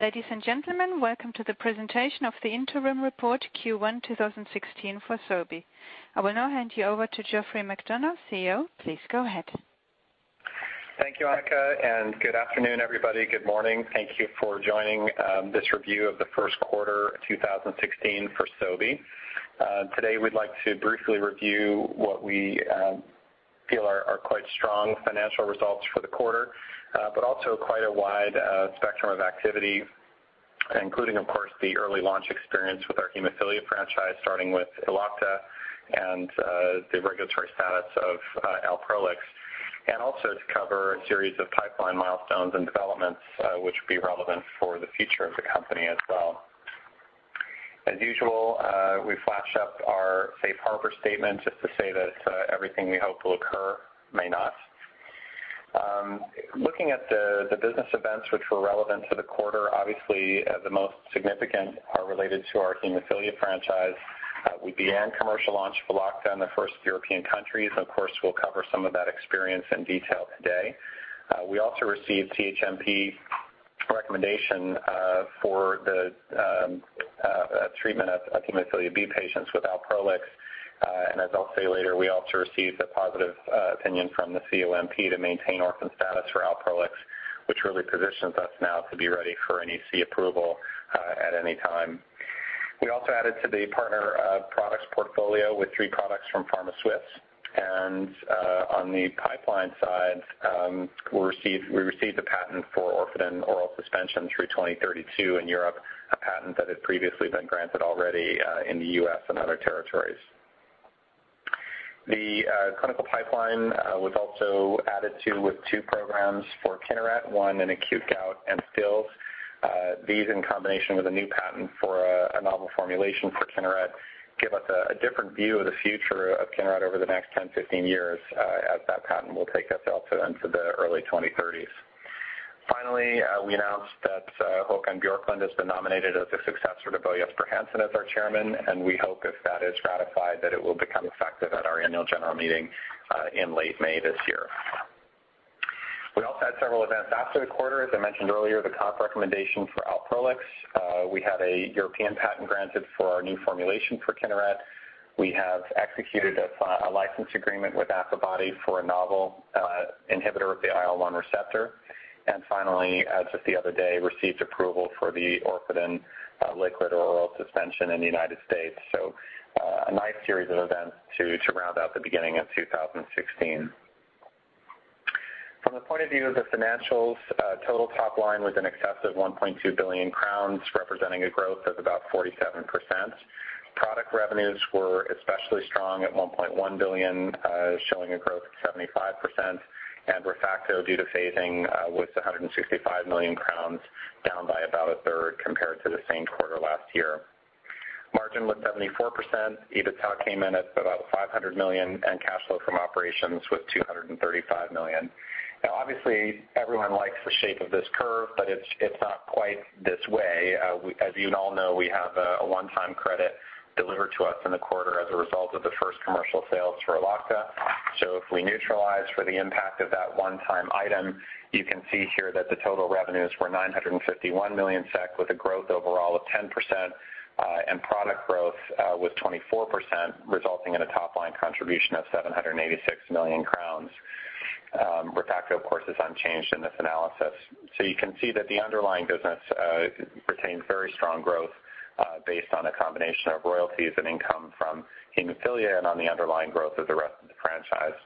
Ladies and gentlemen, welcome to the presentation of the interim report Q1 2016 for Sobi. I will now hand you over to Geoffrey McDonough, CEO. Please go ahead. Thank you, Annika, good afternoon, everybody. Good morning. Thank you for joining this review of the first quarter 2016 for Sobi. Today, we'd like to briefly review what we feel are quite strong financial results for the quarter. Also quite a wide spectrum of activity, including, of course, the early launch experience with our hemophilia franchise, starting with Elocta and the regulatory status of Alprolix, also to cover a series of pipeline milestones and developments, which will be relevant for the future of the company as well. As usual, we flash up our safe harbor statement just to say that everything we hope will occur may not. Looking at the business events which were relevant to the quarter, obviously, the most significant are related to our hemophilia franchise. We began commercial launch of Elocta in the first European countries. Of course, we'll cover some of that experience in detail today. We also received CHMP recommendation for the treatment of hemophilia B patients with Alprolix. As I'll say later, we also received a positive opinion from the COMP to maintain orphan status for Alprolix, which really positions us now to be ready for any EC approval at any time. We also added to the partner products portfolio with three products from PharmaSwiss. On the pipeline side, we received a patent for Orfadin oral suspension through 2032 in Europe, a patent that had previously been granted already in the U.S. and other territories. The clinical pipeline was also added to with two programs for Kineret, one in acute gout and Still's. These, in combination with a new patent for a novel formulation for Kineret, give us a different view of the future of Kineret over the next 10, 15 years, as that patent will take us out to the early 2030s. Finally, we announced that Håkan Björklund has been nominated as the successor to Bo Jesper Hansen as our Chairman, we hope if that is ratified, that it will become effective at our annual general meeting in late May this year. We also had several events after the quarter. As I mentioned earlier, the COMP recommendation for Alprolix. We had a European patent granted for our new formulation for Kineret. We have executed a license agreement with AbbVie for a novel inhibitor of the IL-1 receptor. Finally, as of the other day, received approval for the Orfadin liquid oral suspension in the United States. A nice series of events to round out the beginning of 2016. From the point of view of the financials, total top line was in excess of 1.2 billion crowns, representing a growth of about 47%. Product revenues were especially strong at 1.1 billion, showing a growth of 75%, and ReFacto, due to phasing, was 165 million crowns, down by about a third compared to the same quarter last year. Margin was 74%. EBITDA came in at about 500 million, and cash flow from operations was 235 million. Obviously, everyone likes the shape of this curve, but it is not quite this way. As you all know, we have a one-time credit delivered to us in the quarter as a result of the first commercial sales for Elocta. If we neutralize for the impact of that one-time item, you can see here that the total revenues were 951 million SEK, with a growth overall of 10%, and product growth was 24%, resulting in a top-line contribution of 786 million crowns. ReFacto, of course, is unchanged in this analysis. You can see that the underlying business retains very strong growth based on a combination of royalties and income from hemophilia and on the underlying growth of the rest of the franchise.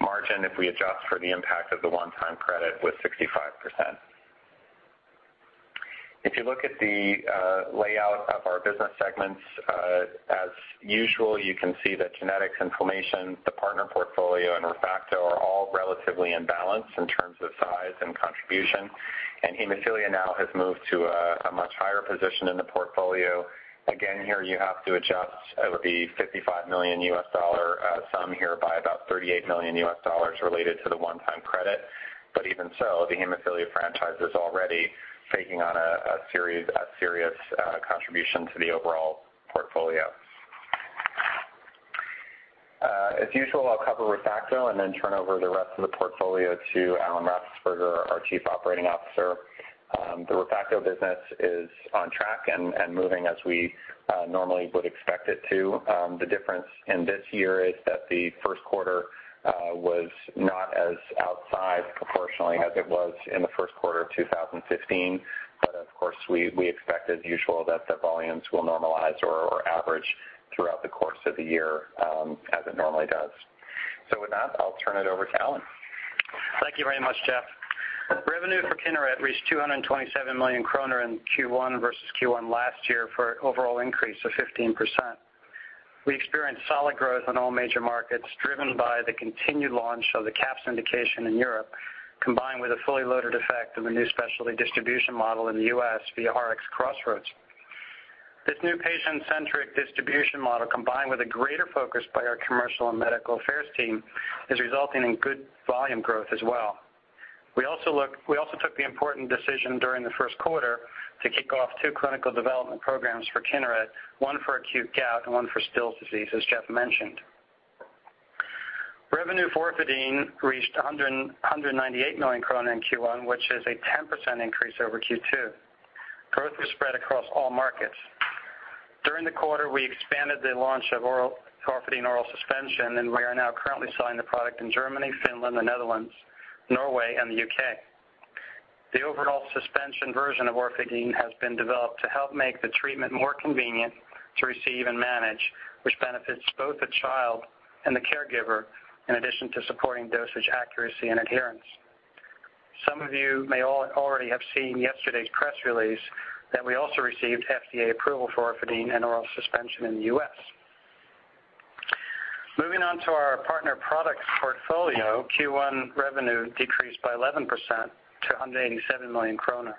Margin, if we adjust for the impact of the one-time credit, was 65%. If you look at the layout of our business segments, as usual, you can see that genetics, inflammation, the partner portfolio, and ReFacto are all relatively in balance in terms of size and contribution. Hemophilia now has moved to a much higher position in the portfolio. Again, here you have to adjust the $55 million sum here by about $38 million related to the one-time credit. Even so, the hemophilia franchise is already taking on a serious contribution to the overall portfolio. As usual, I will cover ReFacto and then turn over the rest of the portfolio to Alan Raffensperger, our Chief Operating Officer. The ReFacto business is on track and moving as we normally would expect it to. The difference in this year is that the first quarter was not as outsized proportionally as it was in the first quarter of 2015. Of course, we expect as usual that the volumes will normalize or average throughout the course of the year, as it normally does. With that, I will turn it over to Alan. Thank you very much, Jeff. Revenue for Kineret reached 227 million kronor in Q1 versus Q1 last year for an overall increase of 15%. We experienced solid growth in all major markets, driven by the continued launch of the CAPS indication in Europe, combined with a fully loaded effect of the new specialty distribution model in the U.S. via RxCrossroads. This new patient-centric distribution model, combined with a greater focus by our commercial and medical affairs team, is resulting in good volume growth as well. We also took the important decision during the first quarter to kick off two clinical development programs for Kineret, one for acute gout and one for Still's disease, as Jeff mentioned. Revenue for Orfadin reached 198 million krona in Q1, which is a 10% increase over Q2. Growth was spread across all markets. During the quarter, we expanded the launch of Orfadin oral suspension, and we are now currently selling the product in Germany, Finland, the Netherlands, Norway, and the U.K. The overall suspension version of Orfadin has been developed to help make the treatment more convenient to receive and manage, which benefits both the child and the caregiver, in addition to supporting dosage accuracy and adherence. Some of you may already have seen yesterday's press release that we also received FDA approval for Orfadin and oral suspension in the U.S. Moving on to our partner products portfolio. Q1 revenue decreased by 11% to 187 million kronor.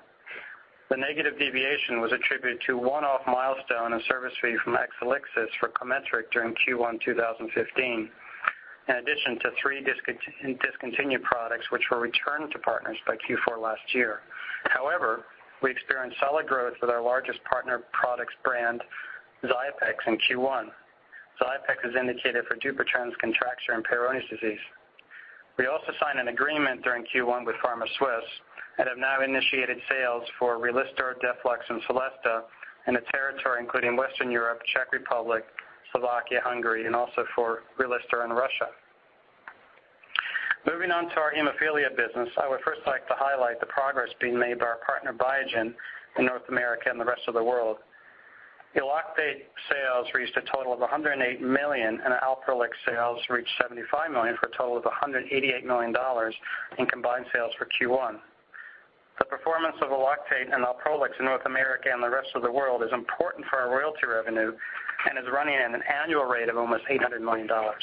The negative deviation was attributed to one-off milestone of service fee from Exelixis for COMETRIQ during Q1 2015. In addition to three discontinued products which were returned to partners by Q4 last year. However, we experienced solid growth with our largest partner products brand, Xiapex, in Q1. Xiapex is indicated for Dupuytren's contracture and Peyronie's disease. We also signed an agreement during Q1 with PharmaSwiss, and have now initiated sales for RELISTOR, Deflux, and Solesta in the territory including Western Europe, Czech Republic, Slovakia, Hungary, and also for RELISTOR in Russia. Moving on to our hemophilia business, I would first like to highlight the progress being made by our partner Biogen in North America and the rest of the world. ELOCTATE sales reached a total of $108 million, and Alprolix sales reached $75 million for a total of $188 million in combined sales for Q1. The performance of ELOCTATE and Alprolix in North America and the rest of the world is important for our royalty revenue and is running at an annual rate of almost $800 million. Our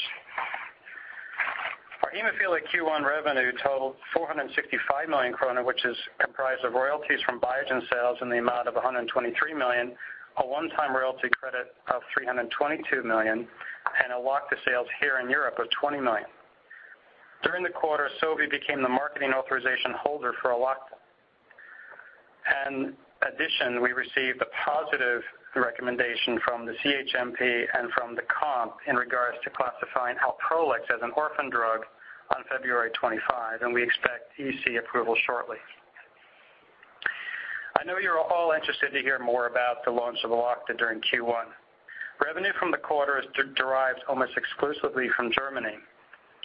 hemophilia Q1 revenue totaled 465 million krona, which is comprised of royalties from Biogen sales in the amount of 123 million, a one-time royalty credit of 322 million, and Elocta sales here in Europe of 20 million. During the quarter, Sobi became the marketing authorization holder for Elocta. In addition, we received a positive recommendation from the CHMP and from the COMP in regards to classifying Alprolix as an orphan drug on February 25, and we expect EC approval shortly. I know you're all interested to hear more about the launch of Elocta during Q1. Revenue from the quarter is derived almost exclusively from Germany.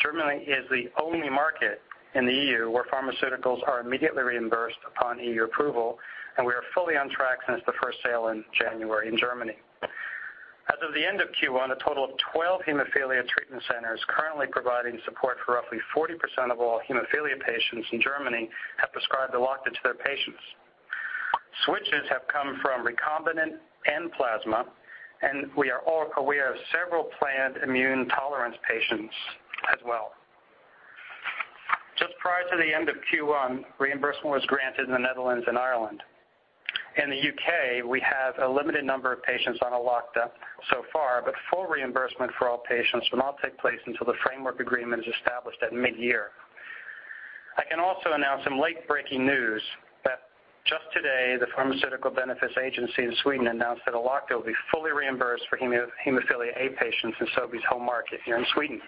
Germany is the only market in the EU where pharmaceuticals are immediately reimbursed upon EU approval, and we are fully on track since the first sale in January in Germany. As of the end of Q1, a total of 12 hemophilia treatment centers currently providing support for roughly 40% of all hemophilia patients in Germany have prescribed Elocta to their patients. Switches have come from recombinant and plasma, and we are aware of several planned immune tolerance patients as well. Just prior to the end of Q1, reimbursement was granted in the Netherlands and Ireland. In the U.K., we have a limited number of patients on Elocta so far, but full reimbursement for all patients will not take place until the framework agreement is established at mid-year. I can also announce some late-breaking news that just today, the Pharmaceutical Benefits Agency in Sweden announced that Elocta will be fully reimbursed for hemophilia A patients in Sobi's home market here in Sweden.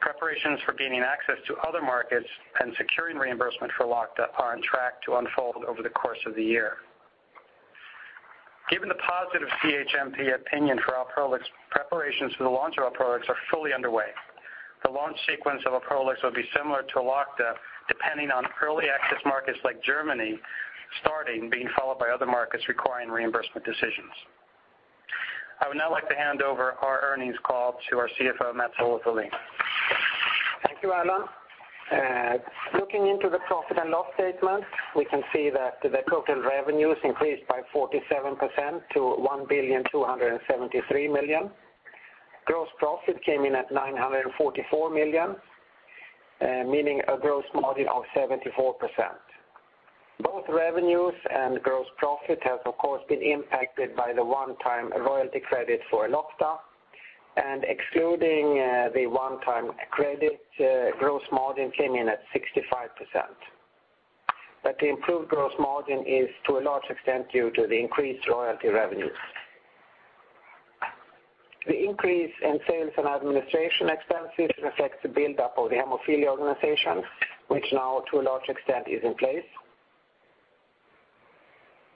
Preparations for gaining access to other markets and securing reimbursement for Elocta are on track to unfold over the course of the year. Given the positive CHMP opinion for Alprolix, preparations for the launch of Alprolix are fully underway. The launch sequence of Alprolix will be similar to Elocta, depending on early access markets like Germany starting, being followed by other markets requiring reimbursement decisions. I would now like to hand over our earnings call to our CFO, Mats-Olof Wallin. Thank you, Alan. Looking into the profit and loss statement, we can see that the total revenues increased by 47% to 1,273,000,000. Gross profit came in at 944 million, meaning a gross margin of 74%. Both revenues and gross profit have, of course, been impacted by the one-time royalty credit for Elocta. Excluding the one-time credit, gross margin came in at 65%. The improved gross margin is to a large extent due to the increased royalty revenues. The increase in sales and administration expenses reflects the buildup of the hemophilia organization, which now to a large extent is in place.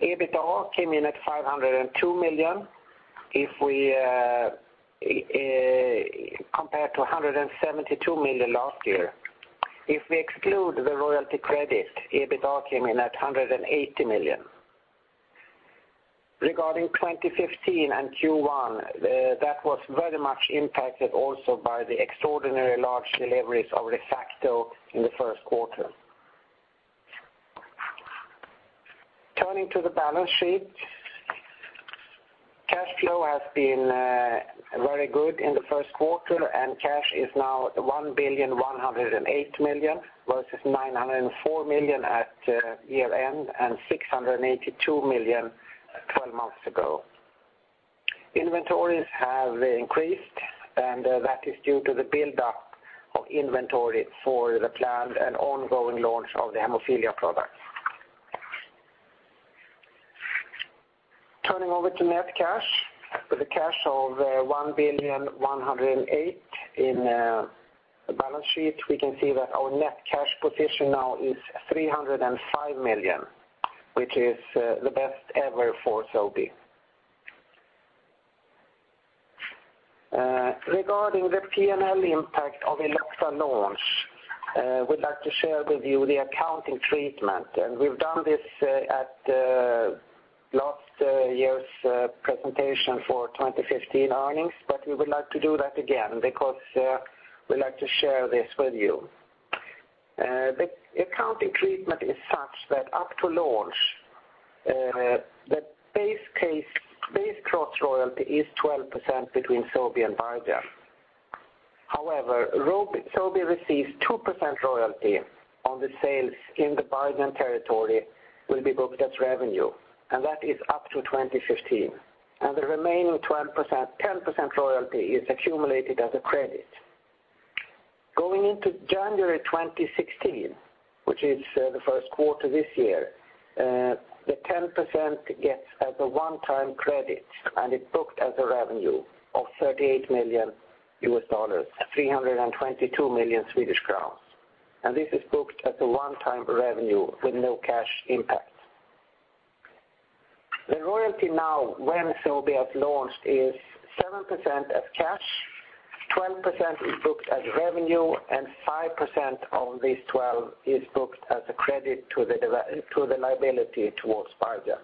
EBITDA came in at 502 million, compared to 172 million last year. If we exclude the royalty credit, EBITDA came in at 180 million. Regarding 2015 and Q1, that was very much impacted also by the extraordinarily large deliveries of ReFacto AF in the first quarter. Turning to the balance sheet. Cash flow has been very good in the first quarter, and cash is now 1,108,000,000 versus 904 million at year-end and 682 million 12 months ago. Inventories have increased, and that is due to the buildup of inventory for the planned and ongoing launch of the hemophilia products. Turning over to net cash. With a cash of 1,108,000,000 in the balance sheet, we can see that our net cash position now is 305 million, which is the best ever for Sobi. Regarding the P&L impact of Elocta launch, we'd like to share with you the accounting treatment. We've done this at last year's presentation for 2015 earnings, but we would like to do that again because we'd like to share this with you. The accounting treatment is such that up to launch, the base cross royalty is 12% between Sobi and Biogen. However, Sobi receives 2% royalty on the sales in the Biogen territory will be booked as revenue, and that is up to 2015. The remaining 10% royalty is accumulated as a credit. Going into January 2016, which is the first quarter this year, the 10% gets as a one-time credit, and it's booked as a revenue of $38 million, 322 million Swedish crowns. This is booked as a one-time revenue with no cash impact. The royalty now when Sobi has launched is 7% as cash, 12% is booked as revenue, and 5% of this 12 is booked as a credit to the liability towards Biogen.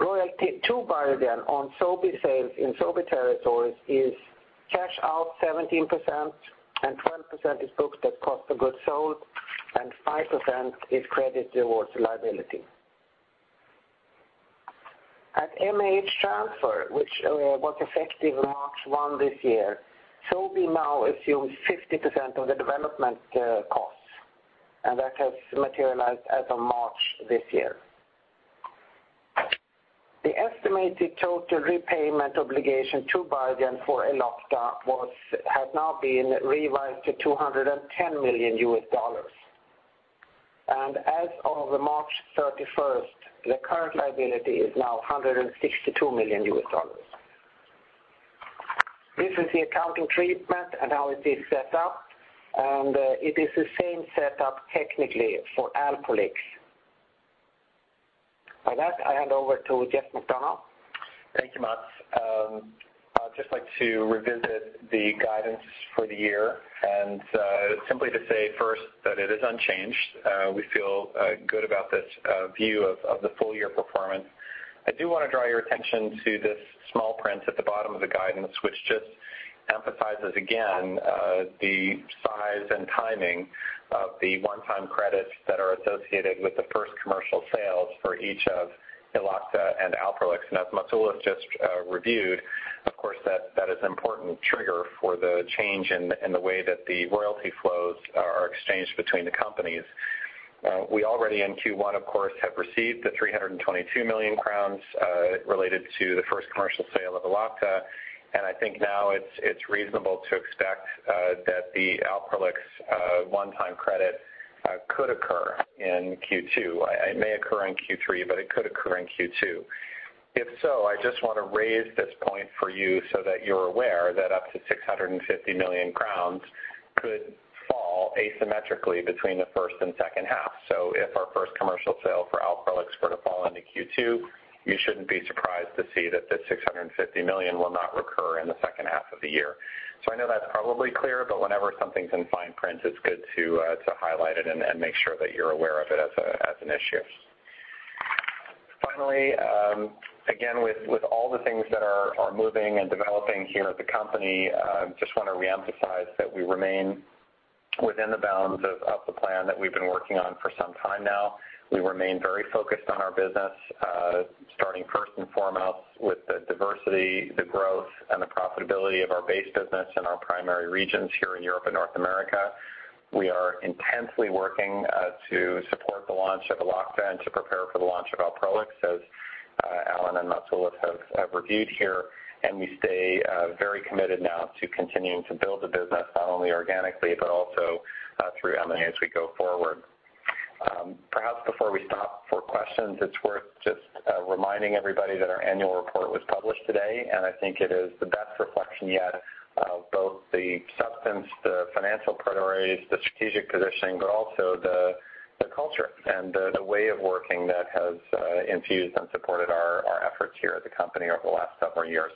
Royalty to Biogen on Sobi sales in Sobi territories is cash out 17%, and 12% is booked at cost of goods sold, and 5% is credit towards liability. At MAH transfer, which was effective March 1 this year, Sobi now assumes 50% of the development costs, and that has materialized as of March this year. The estimated total repayment obligation to Biogen for Elocta has now been revised to SEK 210 million. As of March 31st, the current liability is now SEK 162 million. This is the accounting treatment and how it is set up, and it is the same setup technically for Alprolix. With that, I hand over to Geoffrey McDonough. Thank you, Mats. I'd just like to revisit the guidance for the year and simply to say first that it is unchanged. We feel good about this view of the full-year performance. I do want to draw your attention to this small print at the bottom of the guidance, which just emphasizes again, the size and timing of the one-time credits that are associated with the first commercial sales for each of Elocta and Alprolix. As Mats Wallin has just reviewed, of course, that is an important trigger for the change in the way that the royalty flows are exchanged between the companies. We already in Q1, of course, have received the 322 million crowns related to the first commercial sale of Elocta, and I think now it's reasonable to expect that the Alprolix one-time credit could occur in Q2. It may occur in Q3, it could occur in Q2. If so, I just want to raise this point for you so that you're aware that up to 650 million crowns could fall asymmetrically between the first and second half. If our first commercial sale for Alprolix were to fall into Q2, you shouldn't be surprised to see that the 650 million will not recur in the second half of the year. I know that's probably clear, but whenever something's in fine print, it's good to highlight it and make sure that you're aware of it as an issue. Finally, again, with all the things that are moving and developing here at the company, just want to reemphasize that we remain within the bounds of the plan that we've been working on for some time now. We remain very focused on our business, starting first and foremost with the diversity, the growth, and the profitability of our base business in our primary regions here in Europe and North America. We are intensely working to support the launch of Elocta and to prepare for the launch of Alprolix, as Alan and Mats Wallin has reviewed here, we stay very committed now to continuing to build the business not only organically but also through M&A as we go forward. Perhaps before we stop for questions, it's worth just reminding everybody that our annual report was published today, I think it is the best reflection yet of both the substance, the financial priorities, the strategic positioning, but also the culture and the way of working that has infused and supported our efforts here at the company over the last several years.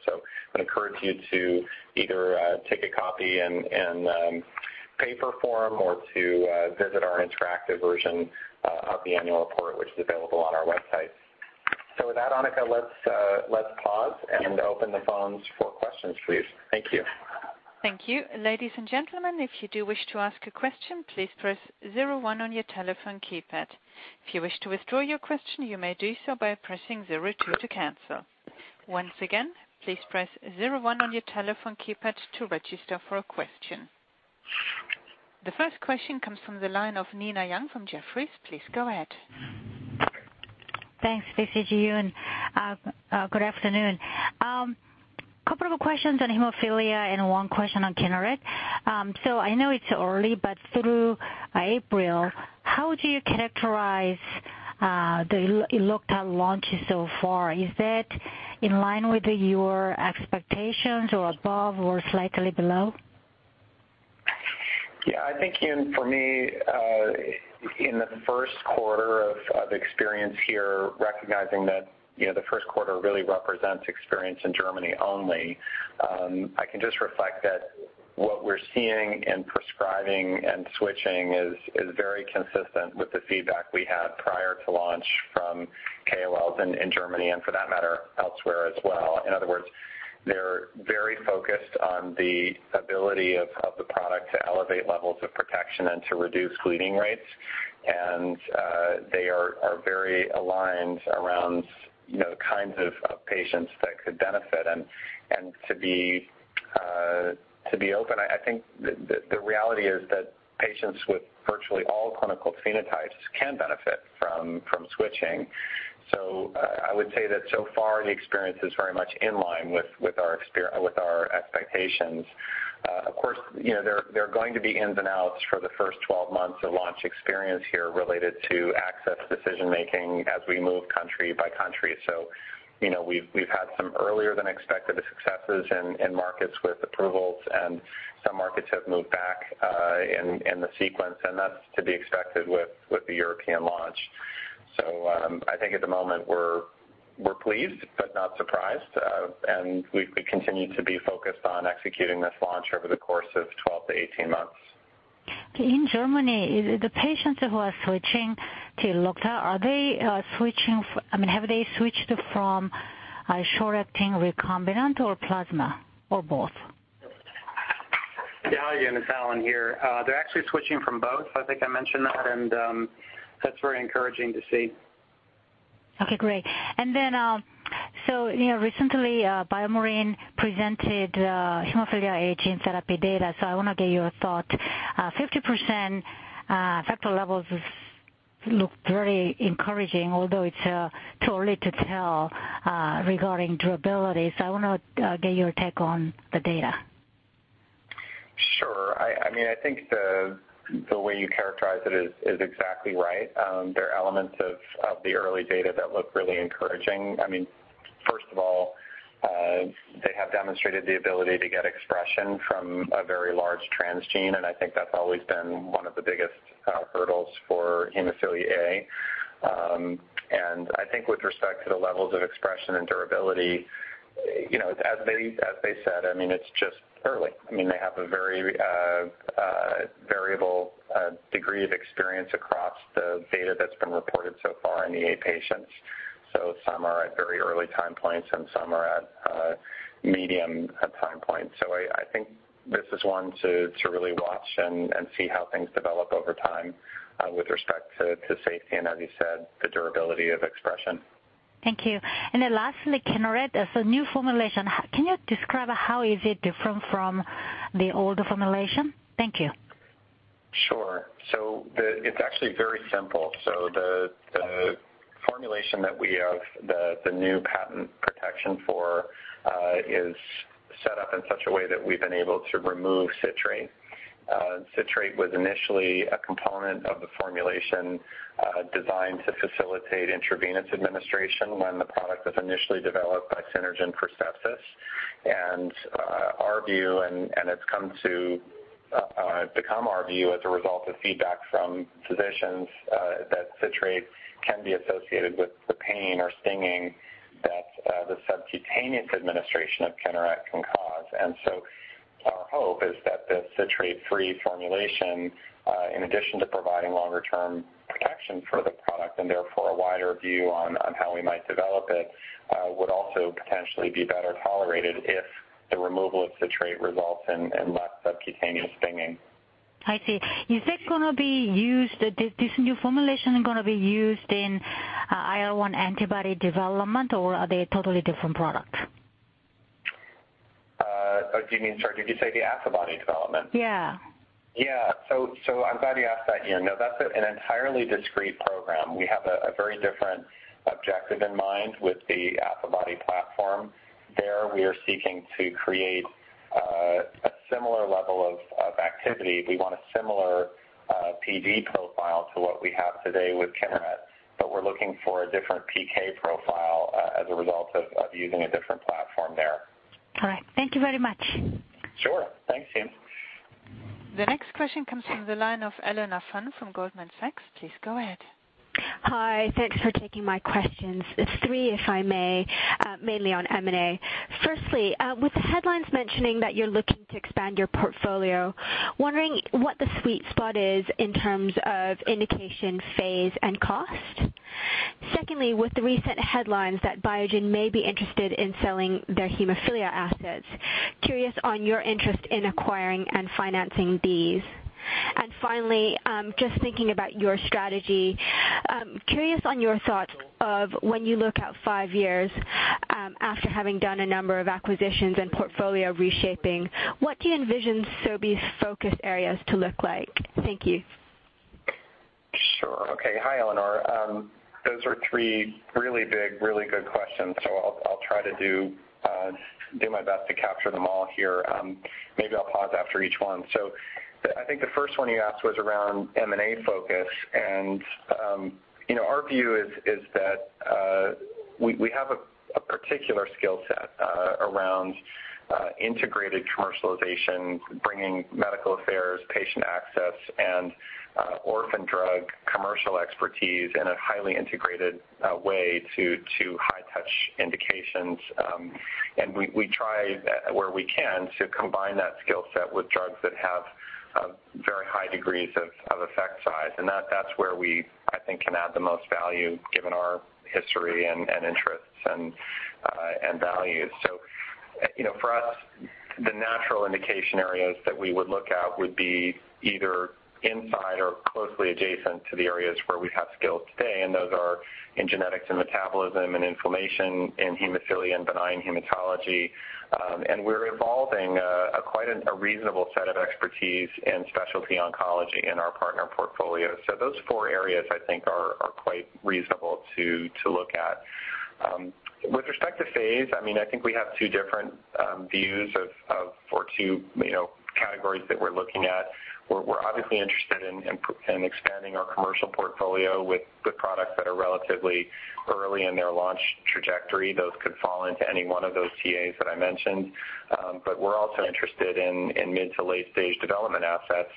I'd encourage you to either take a copy in paper form or to visit our interactive version of the annual report, which is available on our website. With that, Annika, let's pause and open the phones for questions, please. Thank you. Thank you. Ladies and gentlemen, if you do wish to ask a question, please press 01 on your telephone keypad. If you wish to withdraw your question, you may do so by pressing 02 to cancel. Once again, please press 01 on your telephone keypad to register for a question. The first question comes from the line of Eun Yang from Jefferies. Please go ahead. Thanks. This is Eun. Good afternoon. A couple of questions on hemophilia and one question on Kineret. I know it's early, but through April, how do you characterize the Elocta launch so far? Is that in line with your expectations or above or slightly below? I think, Eun, for me, in the first quarter of experience here, recognizing that the first quarter really represents experience in Germany only, I can just reflect that what we're seeing in prescribing and switching is very consistent with the feedback we had prior to launch from KOLs in Germany, and for that matter, elsewhere as well. In other words, they're very focused on the ability of the product to elevate levels of protection and to reduce bleeding rates. They are very aligned around the kinds of patients that could benefit. To be open, I think the reality is that patients with virtually all clinical phenotypes can benefit from switching. I would say that so far the experience is very much in line with our expectations. Of course, there are going to be ins and outs for the first 12 months of launch experience here related to access decision-making as we move country by country. We've had some earlier than expected successes in markets with approvals, and some markets have moved back in the sequence, and that's to be expected with the European launch. I think at the moment we're pleased but not surprised. We continue to be focused on executing this launch over the course of 12 to 18 months. In Germany, the patients who are switching to Elocta, have they switched from short-acting recombinant or plasma, or both? Yeah. Hi, Eun. It's Alan here. They're actually switching from both. I think I mentioned that, and that's very encouraging to see. Okay, great. Then, recently, BioMarin presented hemophilia A gene therapy data. I want to get your thought. 50% factor levels look very encouraging, although it's too early to tell regarding durability. I want to get your take on the data. Sure. I think the way you characterize it is exactly right. There are elements of the early data that look really encouraging. First of all, they have demonstrated the ability to get expression from a very large transgene, I think that's always been one of the biggest hurdles for hemophilia A. I think with respect to the levels of expression and durability, as they said, it's just early. They have a very variable degree of experience across the data that's been reported so far in the A patients. Some are at very early time points and some are at medium time points. I think this is one to really watch and see how things develop over time with respect to safety and as you said, the durability of expression. Thank you. Lastly, Kineret as a new formulation. Can you describe how is it different from the older formulation? Thank you. Sure. It's actually very simple. The formulation that we have, the new patent protection for is set up in such a way that we've been able to remove citrate. Citrate was initially a component of the formulation designed to facilitate intravenous administration when the product was initially developed by Synergen. Our view, and it's come to become our view as a result of feedback from physicians, that citrate can be associated with the pain or stinging that the subcutaneous administration of Kineret can cause. Our hope is that the citrate-free formulation, in addition to providing longer-term protection for the product and therefore a wider view on how we might develop it, would also potentially be better tolerated if the removal of citrate results in less subcutaneous stinging. I see. Is this new formulation going to be used in IL-1 antibody development, or are they a totally different product? Oh, do you mean, sorry, did you say the Affiibody development? Yeah. Yeah. I'm glad you asked that, Yun. No, that's an entirely discrete program. We have a very different objective in mind with the Affibody platform. There, we are seeking to create a similar level of activity. We want a similar PD profile to what we have today with Kineret, but we're looking for a different PK profile as a result of using a different platform there. All right. Thank you very much. Sure. Thanks, Yun. The next question comes from the line of Eleanor Fann from Goldman Sachs. Please go ahead. Hi. Thanks for taking my questions. Three, if I may, mainly on M&A. Firstly, with the headlines mentioning that you are looking to expand your portfolio, wondering what the sweet spot is in terms of indication, phase, and cost. Secondly, with the recent headlines that Biogen may be interested in selling their hemophilia assets, curious on your interest in acquiring and financing these. Finally, just thinking about your strategy, curious on your thoughts of when you look out five years after having done a number of acquisitions and portfolio reshaping, what do you envision Sobi's focus areas to look like? Thank you. Those are three really big, really good questions. I'll try to do my best to capture them all here. Maybe I'll pause after each one. I think the first one you asked was around M&A focus, our view is that we have a particular skill set around integrated commercialization, bringing medical affairs, patient access, and orphan drug commercial expertise in a highly integrated way to high-touch indications. We try where we can to combine that skill set with drugs that have very high degrees of effect size, that is where we, I think, can add the most value given our history and interests and values. For us, the natural indication areas that we would look at would be either inside or closely adjacent to the areas where we have skills today, those are in genetics and metabolism and inflammation in hemophilia and benign hematology. We're evolving quite a reasonable set of expertise in specialty oncology in our partner portfolio. Those four areas, I think, are quite reasonable to look at. With respect to phase, I think we have two different views or two categories that we're looking at. We're obviously interested in expanding our commercial portfolio with products that are relatively early in their launch trajectory. Those could fall into any one of those TAs that I mentioned. We're also interested in mid to late-stage development assets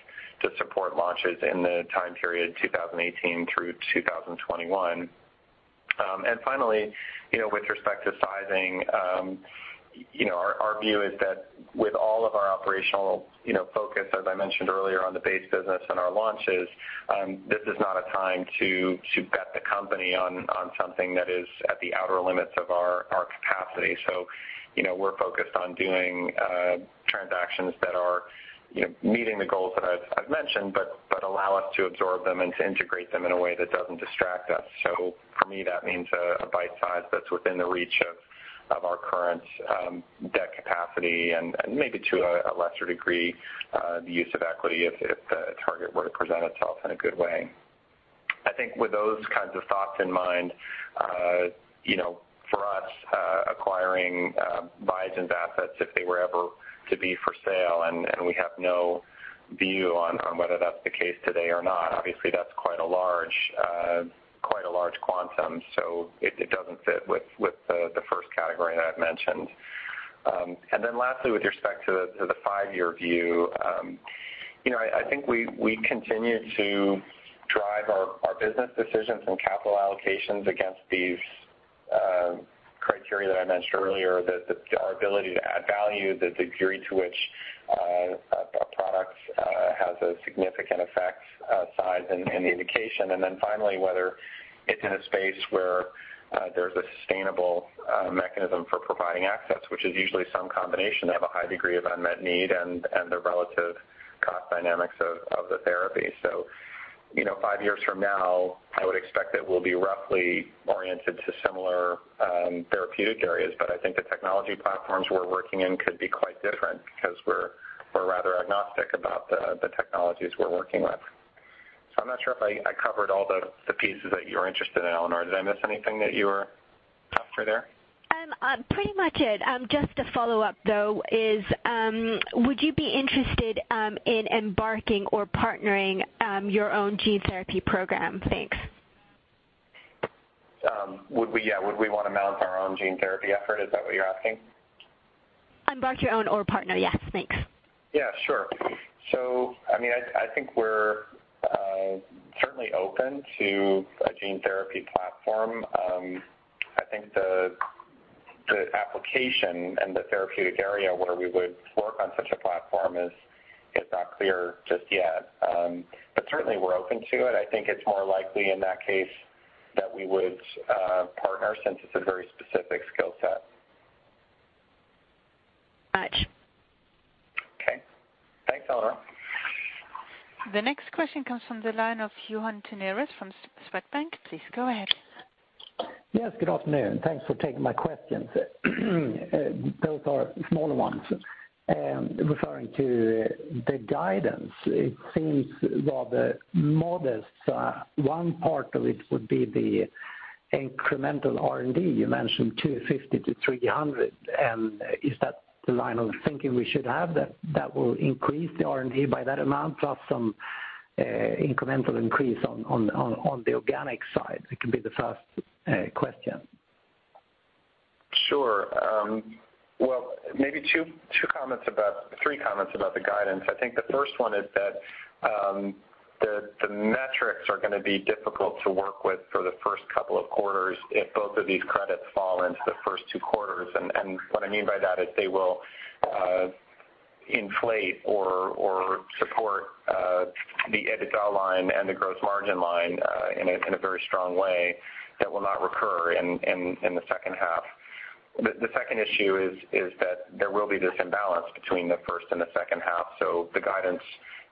to support launches in the time period 2018 through 2021. Finally, with respect to sizing, our view is that with all of our operational focus, as I mentioned earlier, on the base business and our launches, this is not a time to bet the company on something that is at the outer limits of our capacity. We're focused on doing transactions that are meeting the goals that I've mentioned, but allow us to absorb them and to integrate them in a way that doesn't distract us. For me, that means a bite size that's within the reach of our current debt capacity and maybe to a lesser degree, the use of equity if the target were to present itself in a good way. I think with those kinds of thoughts in mind, for us, acquiring Biogen's assets, if they were ever to be for sale, and we have no view on whether that's the case today or not. Obviously, that's quite a large quantum, so it doesn't fit with the first category that I've mentioned. Lastly, with respect to the five-year view, I think we continue to drive our business decisions and capital allocations against these criteria that I mentioned earlier, that our ability to add value, the degree to which a product has a significant effect size and the indication, and then finally, whether it's in a space where there's a sustainable mechanism for providing access, which is usually some combination of a high degree of unmet need and the relative cost dynamics of the therapy. Five years from now, I would expect that we'll be roughly oriented to similar therapeutic areas. I think the technology platforms we're working in could be quite different because we're rather agnostic about the technologies we're working with. I'm not sure if I covered all the pieces that you were interested in, Eleanor. Did I miss anything that you were after there? Pretty much it. Just a follow-up, though, is would you be interested in embarking or partnering your own gene therapy program? Thanks. Would we want to mount our own gene therapy effort? Is that what you're asking? Embark your own or partner, yes. Thanks. Yeah, sure. I think we're certainly open to a gene therapy platform. I think the application and the therapeutic area where we would work on such a platform is not clear just yet. Certainly, we're open to it. I think it's more likely in that case that we would partner since it's a very specific skill set. Gotcha. Okay. Thanks, Eleanor. The next question comes from the line of Johan Tennerros from Swedbank. Please go ahead. Yes, good afternoon. Thanks for taking my questions. Both are small ones. Referring to the guidance, it seems rather modest. One part of it would be the incremental R&D. You mentioned 250-300. Is that the line of thinking we should have that will increase the R&D by that amount plus some incremental increase on the organic side? It could be the first question. Sure. Well, maybe three comments about the guidance. I think the first one is that the metrics are going to be difficult to work with for the first couple of quarters if both of these credits fall into the first two quarters. What I mean by that is they will inflate or support the EBITDA line and the gross margin line in a very strong way that will not recur in the second half. The second issue is that there will be this imbalance between the first and the second half. The guidance,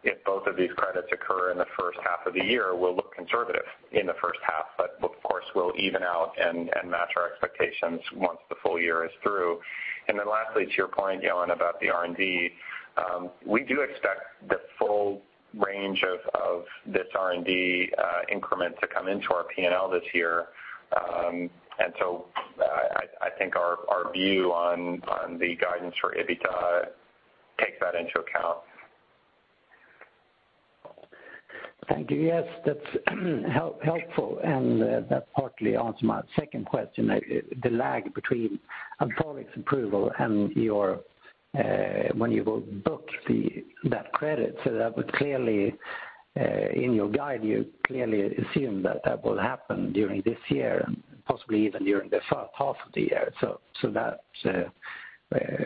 if both of these credits occur in the first half of the year, will look conservative in the first half, but of course, will even out and match our expectations once the full year is through. Lastly, to your point, Johan, about the R&D, we do expect the full range of this R&D increment to come into our P&L this year. I think our view on the guidance for EBITDA takes that into account. Thank you. Yes, that's helpful and that partly answers my second question, the lag between Alprolix approval and when you will book that credit. That would clearly, in your guide, you clearly assume that will happen during this year and possibly even during the first half of the year. That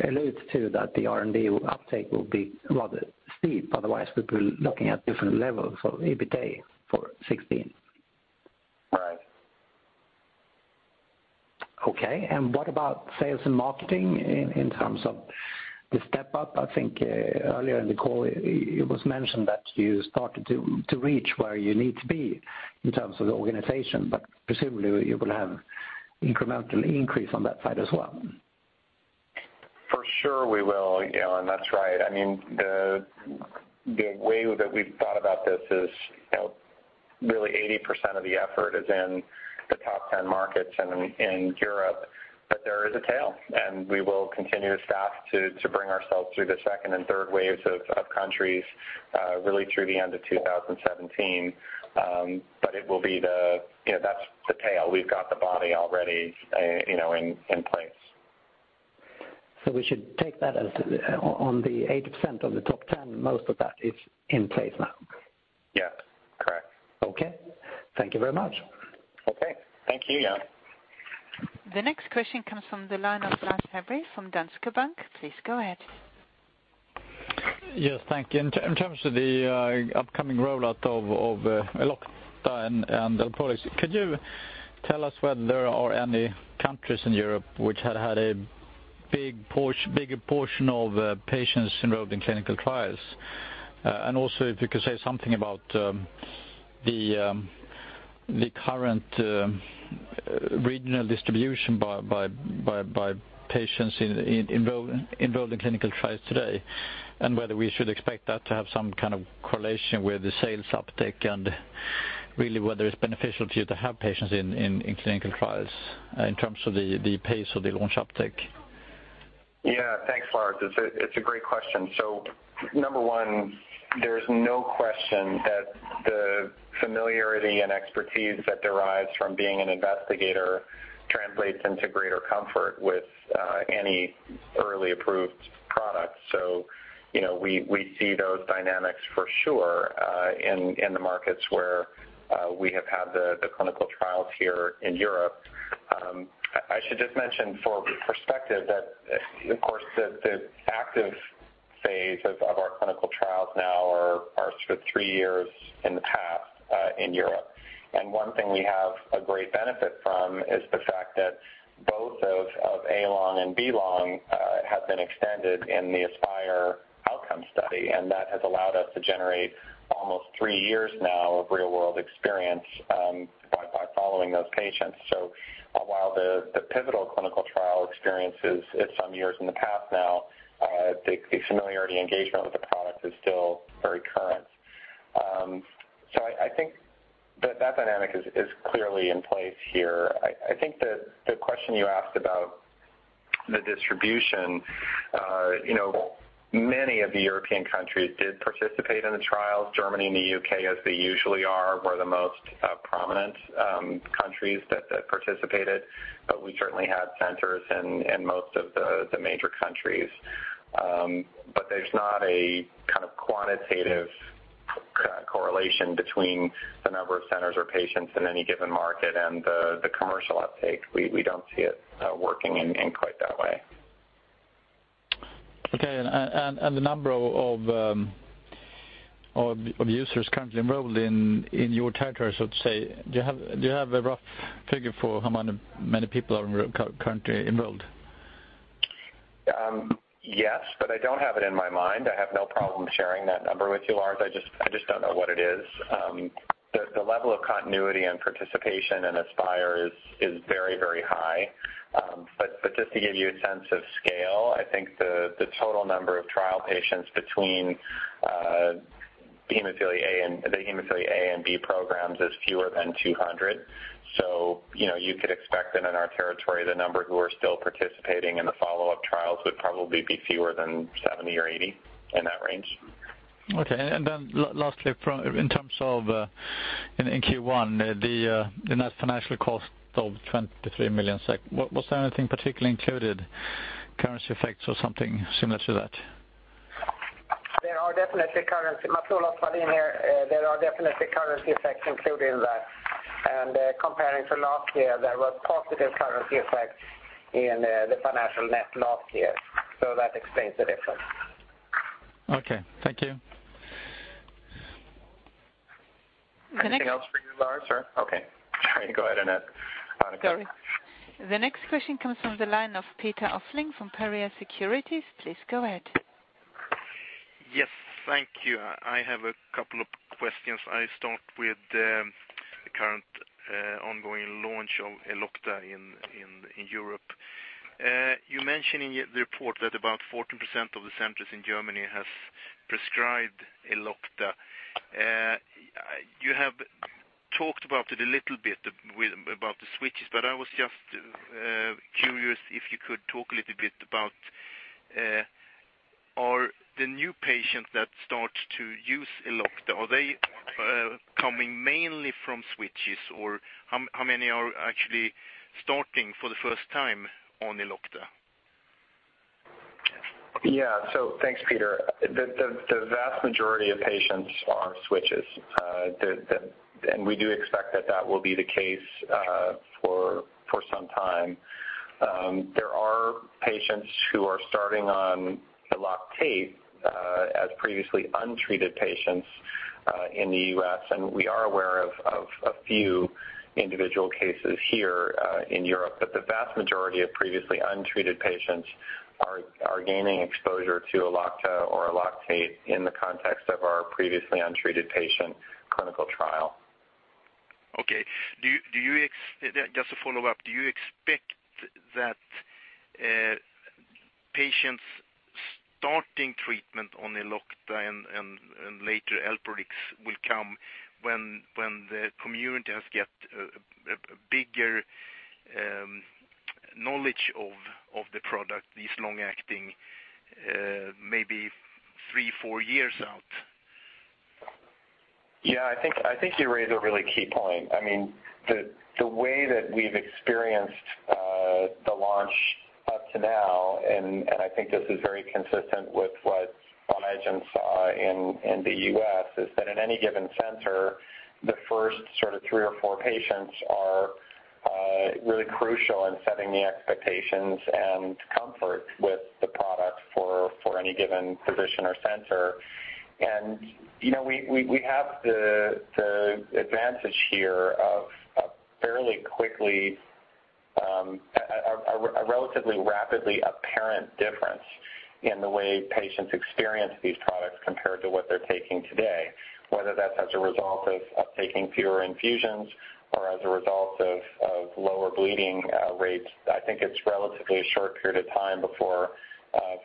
alludes to that the R&D uptake will be rather steep. Otherwise, we'd be looking at different levels of EBITDA for 2016. Right. Okay, what about sales and marketing in terms of the step-up? I think earlier in the call, it was mentioned that you started to reach where you need to be in terms of the organization, presumably you will have incremental increase on that side as well. For sure we will, Johan. That's right. The way that we've thought about this is really 80% of the effort is in the top 10 markets in Europe. There is a tail, and we will continue to staff to bring ourselves through the second and third waves of countries really through the end of 2017. That's the tail. We've got the body already in place. We should take that as on the 80% of the top 10, most of that is in place now. Yeah, correct. Okay. Thank you very much. Okay, thank you, Johan. The next question comes from the line of Lars Fabre from Danske Bank. Please go ahead. Yes, thank you. In terms of the upcoming rollout of Elocta and Alprolix, could you tell us whether there are any countries in Europe which had a bigger portion of patients enrolled in clinical trials? Also, if you could say something about the current regional distribution by patients enrolled in clinical trials today, and whether we should expect that to have some kind of correlation with the sales uptake and really whether it's beneficial to you to have patients in clinical trials in terms of the pace of the launch uptake. Yeah, thanks, Lars. It's a great question. Number one, there's no question that the familiarity and expertise that derives from being an investigator translates into greater comfort with any early approved product. We see those dynamics for sure in the markets where we have had the clinical trials here in Europe. I should just mention for perspective that, of course, the active phase of our clinical trials now are for 3 years in the past in Europe. One thing we have a great benefit from is the fact that both those of A-LONG and B-LONG have been extended in the ASPIRE outcome study, and that has allowed us to generate almost 3 years now of real-world experience by following those patients. While the pivotal clinical trial experience is some years in the past now, the familiarity engagement with the product is still very current. I think that dynamic is clearly in place here. I think the question you asked about the distribution; many of the European countries did participate in the trials. Germany and the U.K., as they usually are, were the most prominent countries that participated. We certainly had centers in most of the major countries. There's not a quantitative correlation between the number of centers or patients in any given market and the commercial uptake. We don't see it working in quite that way. Okay, the number of users currently enrolled in your territory, so to say, do you have a rough figure for how many people are currently enrolled? Yes, I don't have it in my mind. I have no problem sharing that number with you, Lars. I just don't know what it is. The level of continuity and participation in ASPIRE is very, very high. Just to give you a sense of scale, I think the total number of trial patients between the hemophilia A and B programs is fewer than 200. You could expect that in our territory, the number who are still participating in the follow-up trials would probably be fewer than 70 or 80, in that range. Okay, lastly, in terms of in Q1, the net financial cost of 23 million SEK, was there anything particularly included, currency effects or something similar to that? Lars, Farin here. There are definitely currency effects included in that. Comparing to last year, there was positive currency effects in the financial net last year. That explains the difference. Okay. Thank you. Anything else for you, Lars, or? Okay. Go ahead, Annika. Sorry. The next question comes from the line of Peter Östling from Pareto Securities. Please go ahead. Yes. Thank you. I have a couple of questions. I start with the current ongoing launch of Elocta in Europe. You mention in the report that about 14% of the centers in Germany has prescribed Elocta. You have talked about it a little bit, about the switches, but I was just curious if you could talk a little bit about are the new patients that start to use Elocta, are they coming mainly from switches, or how many are actually starting for the first time on Elocta? Yeah. Thanks, Peter. The vast majority of patients are switches. We do expect that that will be the case for some time. There are patients who are starting on ELOCTATE as previously untreated patients in the U.S., and we are aware of a few individual cases here in Europe. The vast majority of previously untreated patients are gaining exposure to Elocta or ELOCTATE in the context of our previously untreated patient clinical trial. Okay. Just to follow up, do you expect that patients starting treatment on Elocta and later Alprolix will come when the community has get a bigger knowledge of the product, this long-acting maybe three, four years out? Yeah, I think you raise a really key point. The way that we've experienced the launch up to now, I think this is very consistent with what Biogen saw in the U.S., is that at any given center, the first sort of three or four patients are really crucial in setting the expectations and comfort with the product for any given physician or center. We have the advantage here of a relatively rapidly apparent difference in the way patients experience these products compared to what they're taking today. Whether that's as a result of taking fewer infusions or as a result of lower bleeding rates, I think it's relatively a short period of time before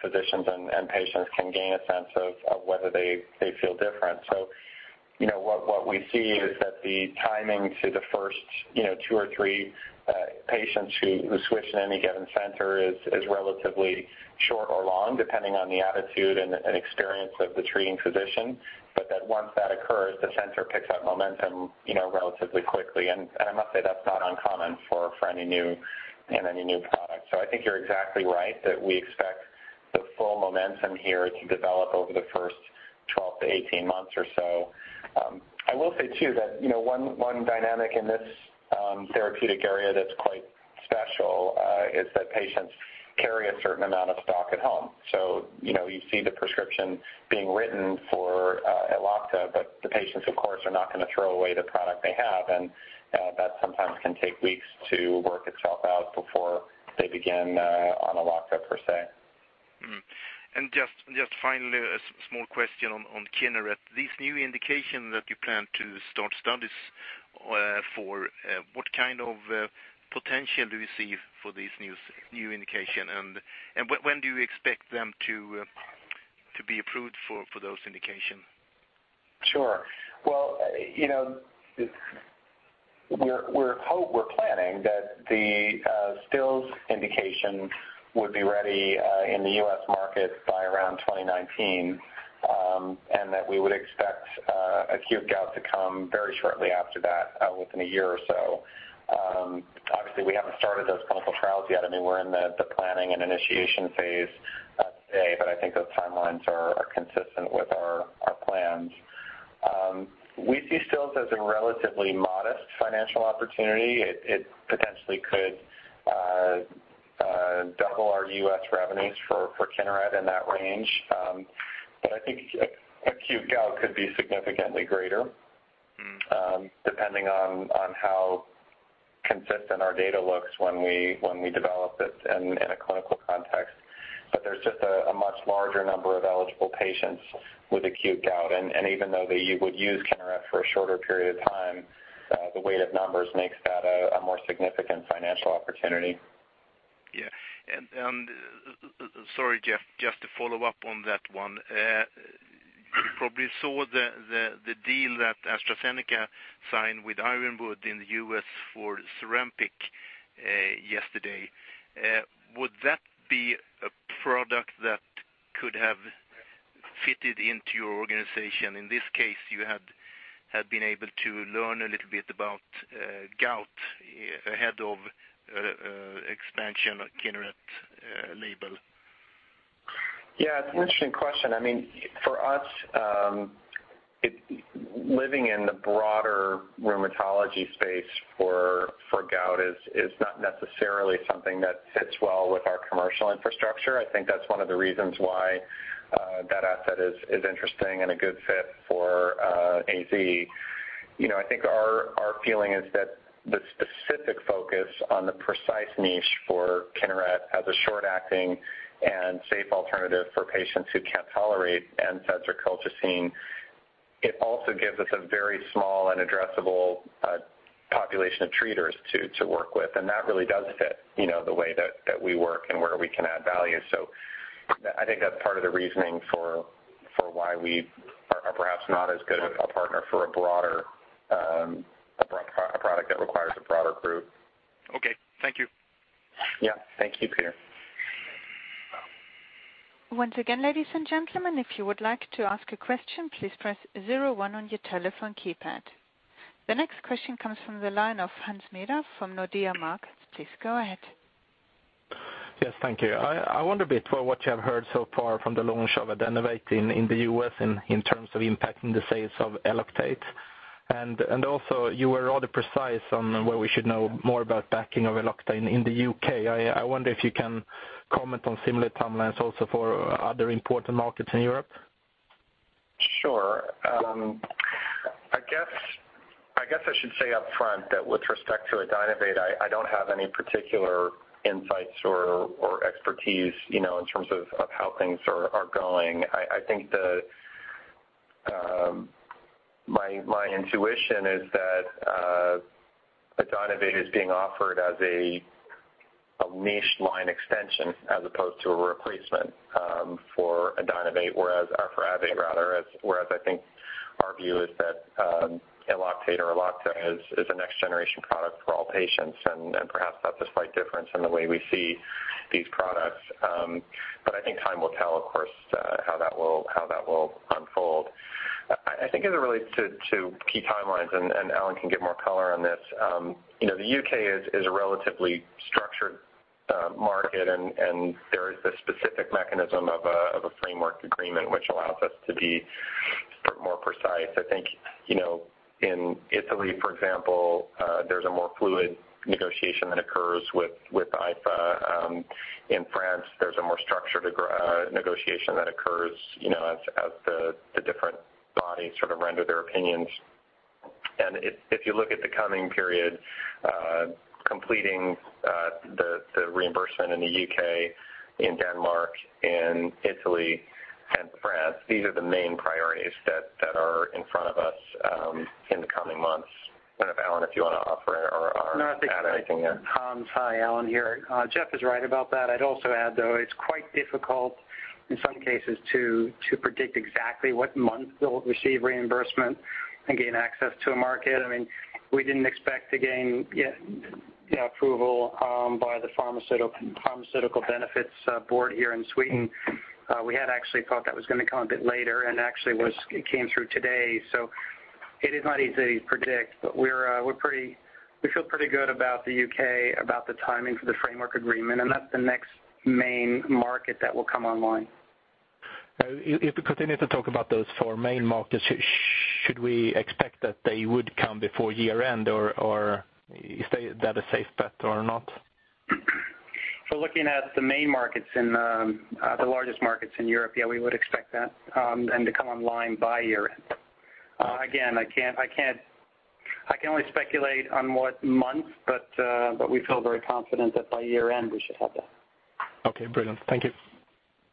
physicians and patients can gain a sense of whether they feel different. What we see is that the timing to the first two or three patients who switch in any given center is relatively short or long, depending on the attitude and experience of the treating physician. That once that occurs, the center picks up momentum relatively quickly. I must say, that's not uncommon for any new product. I think you're exactly right that we expect the full momentum here to develop over the first 12 to 18 months or so. I will say too that one dynamic in this therapeutic area that's quite special is that patients carry a certain amount of stock at home. You see the prescription being written for Elocta, but the patients, of course, are not going to throw away the product they have. That sometimes can take weeks to work itself out before they begin on Elocta, per se. Just finally, a small question on Kineret. This new indication that you plan to start studies for, what kind of potential do you see for this new indication, and when do you expect them to be approved for those indication? Sure. Well, we're planning that the Still's indication would be ready in the U.S. market by around 2019. We would expect acute gout to come very shortly after that, within a year or so. Obviously, we haven't started those clinical trials yet. We're in the planning and initiation phase today, I think those timelines are consistent with our plans. We see Still's as a relatively modest financial opportunity. It potentially could double our U.S. revenues for Kineret in that range. I think acute gout could be significantly greater depending on how consistent our data looks when we develop it in a clinical context. There's just a much larger number of eligible patients with acute gout. Even though they would use Kineret for a shorter period of time, the weight of numbers makes that a more significant financial opportunity. Yeah. Sorry, Jeff, just to follow up on that one. You probably saw the deal that AstraZeneca signed with Ironwood in the U.S. for Zurampic yesterday. Would that be a product that could have fitted into your organization? In this case, you had been able to learn a little bit about gout ahead of expansion of Kineret label. It's an interesting question. For us, living in the broader rheumatology space for gout is not necessarily something that fits well with our commercial infrastructure. I think that's one of the reasons why that asset is interesting and a good fit for AZ. I think our feeling is that the specific focus on the precise niche for Kineret as a short-acting and safe alternative for patients who can't tolerate NSAIDs or colchicine. It also gives us a very small and addressable population of treaters to work with, and that really does fit the way that we work and where we can add value. I think that's part of the reasoning for why we are perhaps not as good of a partner for a product that requires a broader group. Okay. Thank you. Thank you, Peter. Once again, ladies and gentlemen, if you would like to ask a question, please press 01 on your telephone keypad. The next question comes from the line of Hans-Joachim Böhme from Nordea Markets. Please go ahead. Yes, thank you. I wonder a bit for what you have heard so far from the launch of Adynovate in the U.S. in terms of impacting the sales of Eloctate. Also you were rather precise on where we should know more about backing of Elocta in the U.K. I wonder if you can comment on similar timelines also for other important markets in Europe. Sure. I guess I should say upfront that with respect to Aducanumab, I don't have any particular insights or expertise in terms of how things are going. I think my intuition is that Aducanumab is being offered as a niche line extension as opposed to a replacement for Aducanumab, or for AbbVie rather, whereas I think our view is that Elocta or Elocta is a next generation product for all patients. Perhaps that's a slight difference in the way we see these products. I think time will tell, of course, how that will unfold. I think as it relates to key timelines, Alan can give more color on this. The U.K. is a relatively structured market, there is a specific mechanism of a framework agreement which allows us to be more precise. I think, in Italy, for example, there's a more fluid negotiation that occurs with AIFA. In France, there's a more structured negotiation that occurs as the different bodies sort of render their opinions. If you look at the coming period, completing the reimbursement in the U.K., in Denmark, in Italy and France, these are the main priorities that are in front of us in the coming months. If, Alan, if you want to offer or add anything there. No, I think that's it. Hans, hi, Alan here. Jeff is right about that. I'd also add, though, it's quite difficult in some cases to predict exactly what month they'll receive reimbursement and gain access to a market. We didn't expect to gain approval by the Pharmaceutical Benefits Board here in Sweden. We had actually thought that was going to come a bit later, and actually it came through today. It is not easy to predict, but we feel pretty good about the U.K., about the timing for the framework agreement, and that's the next main market that will come online. If we continue to talk about those four main markets, should we expect that they would come before year-end, or is that a safe bet or not? Looking at the main markets and the largest markets in Europe, yeah, we would expect that, them to come online by year-end. Again, I can only speculate on what month, but we feel very confident that by year-end we should have that. Okay, brilliant. Thank you.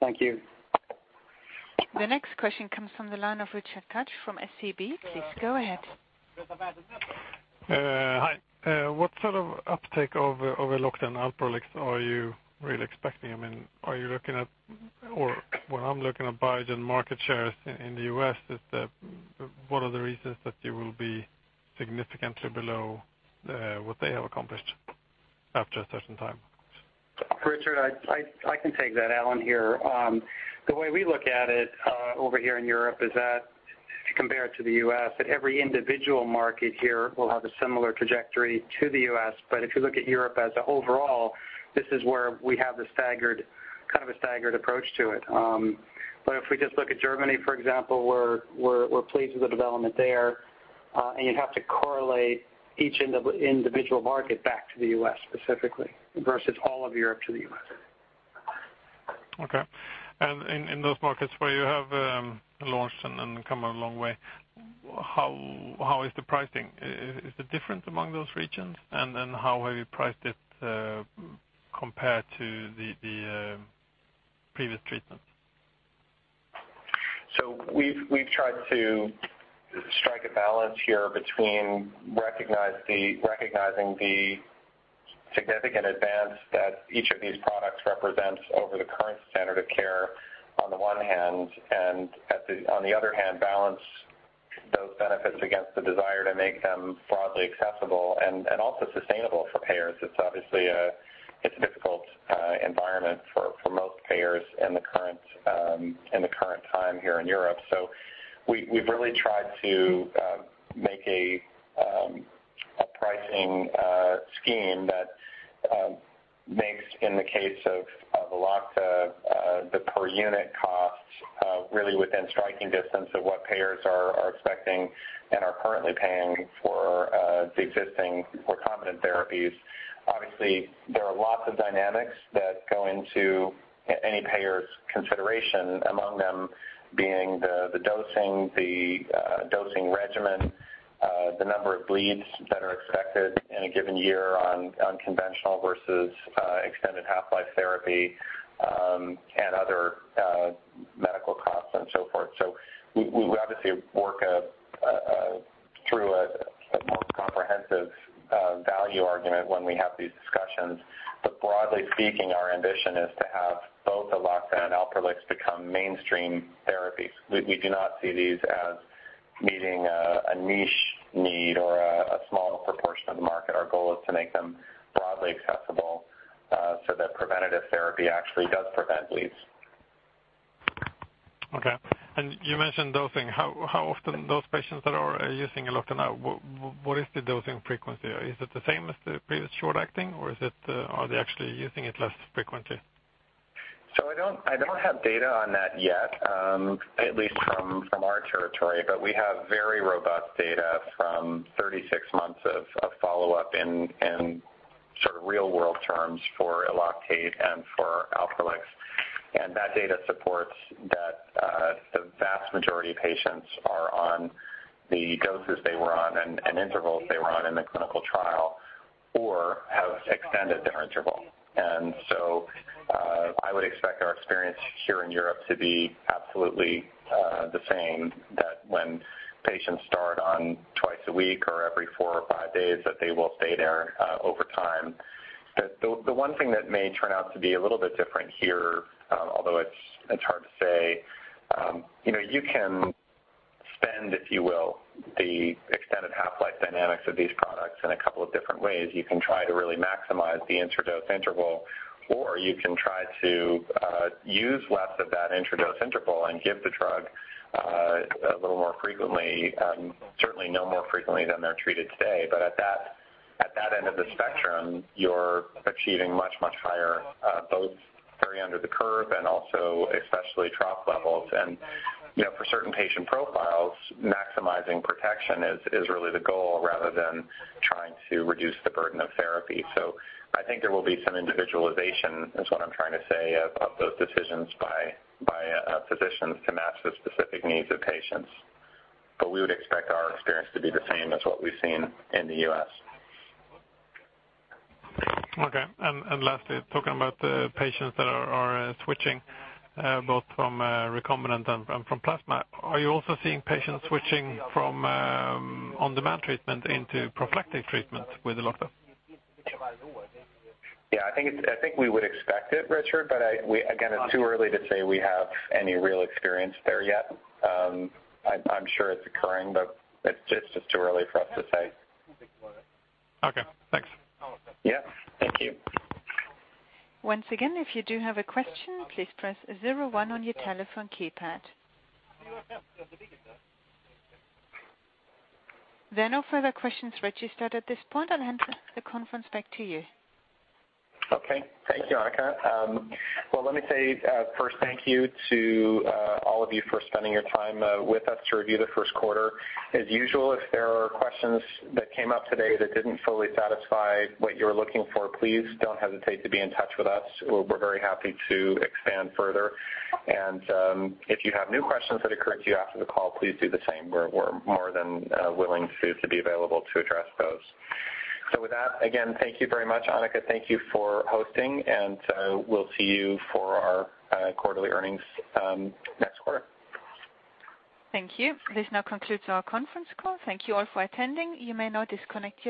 Thank you. The next question comes from the line of Richard Koch from SEB. Please go ahead. Hi. What sort of uptake of Elocta and Alprolix are you really expecting? Are you looking at, or when I'm looking at Biogen market shares in the U.S., what are the reasons that you will be significantly below what they have accomplished after a certain time? Richard, I can take that. Alan here. The way we look at it over here in Europe is that if you compare it to the U.S., that every individual market here will have a similar trajectory to the U.S. If you look at Europe as an overall, this is where we have the staggered approach to it. If we just look at Germany, for example, we're pleased with the development there. You'd have to correlate each individual market back to the U.S. specifically versus all of Europe to the U.S. Okay. In those markets where you have launched and come a long way, how is the pricing? Is it different among those regions? How have you priced it compared to the previous treatments? We've tried to strike a balance here between recognizing the significant advance that each of these products represents over the current standard of care on the one hand, and on the other hand, balance those benefits against the desire to make them broadly accessible and also sustainable for payers. It's a difficult environment for most payers in the current time here in Europe. We've really tried to make a pricing scheme that makes, in the case of Elocta, the per unit cost really within striking distance of what payers are expecting and are currently paying for the existing recombinant therapies. Obviously, there are lots of dynamics that go into any payer's consideration, among them being the dosing regimen, the number of bleeds that are expected in a given year on conventional versus extended half-life therapy, and other medical costs and so forth. We obviously work through a more comprehensive value argument when we have these discussions. Broadly speaking, our ambition is to have both Elocta and Alprolix become mainstream therapies. We do not see these as meeting a niche need or a small proportion of the market. Our goal is to make them broadly accessible so that preventative therapy actually does prevent bleeds. Okay. You mentioned dosing. How often those patients that are using Elocta now, what is the dosing frequency? Is it the same as the previous short-acting, or are they actually using it less frequently? I don't have data on that yet, at least from our territory, but we have very robust data from 36 months of follow-up in sort of real-world terms for Eloctate and for Alprolix. That data supports that the vast majority of patients are on the doses they were on and intervals they were on in the clinical trial, or have extended their interval. I would expect our experience here in Europe to be absolutely the same, that when patients start on twice a week or every four or five days, that they will stay there over time. The one thing that may turn out to be a little bit different here, although it's hard to say, you can spend, if you will, the extended half-life dynamics of these products in a couple of different ways. You can try to really maximize the intra-dose interval, or you can try to use less of that intra-dose interval and give the drug a little more frequently. Certainly no more frequently than they're treated today. At that end of the spectrum, you're achieving much, much higher, both area under the curve and also especially trough levels. For certain patient profiles, maximizing protection is really the goal rather than trying to reduce the burden of therapy. I think there will be some individualization, is what I'm trying to say, of those decisions by physicians to match the specific needs of patients. We would expect our experience to be the same as what we've seen in the U.S. Okay. Lastly, talking about the patients that are switching both from recombinant and from plasma. Are you also seeing patients switching from on-demand treatment into prophylactic treatment with Elocta? Yeah, I think we would expect it, Richard, but again, it's too early to say we have any real experience there yet. I'm sure it's occurring, but it's just too early for us to say. Okay, thanks. Yeah. Thank you. Once again, if you do have a question, please press 01 on your telephone keypad. There are no further questions registered at this point. I'll hand the conference back to you. Okay, thanks, Annika. Well, let me say first, thank you to all of you for spending your time with us to review the first quarter. As usual, if there are questions that came up today that didn't fully satisfy what you were looking for, please don't hesitate to be in touch with us. We're very happy to expand further. If you have new questions that occur to you after the call, please do the same. We're more than willing to be available to address those. With that, again, thank you very much. Annika, thank you for hosting, and we'll see you for our quarterly earnings next quarter. Thank you. This now concludes our conference call. Thank you all for attending. You may now disconnect.